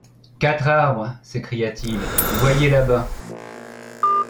Quatre arbres! s’écria-t-il ; voyez, là-bas !